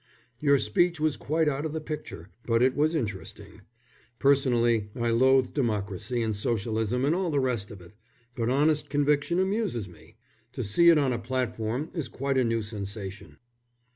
Your speech was quite out of the picture, but it was interesting. Personally I loathe democracy and socialism and all the rest of it, but honest conviction amuses me. To see it on a platform is quite a new sensation."